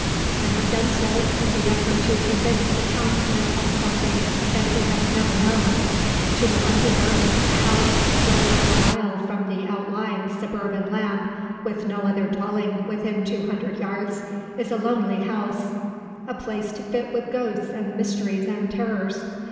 I have done so in the effort to convince the townsman of something that he has never known. To the Londoner a house a quarter of a mile from the outlying suburban lamp, with no other dwelling within two hundred yards, is a lonely house, a place to fit with ghosts and mysteries and terrors.